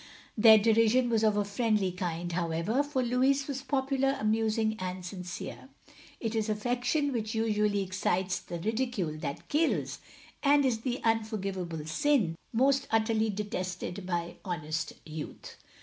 Their derision was of a friendly kind, however, for Louis was popular, amusing, and sincere. It is affectation which ustially excites the ridicule that kills; and is the unforgivable sin most utterly detested by honest youth.